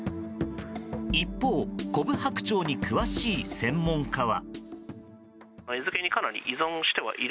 一方、コブハクチョウに詳しい専門家は。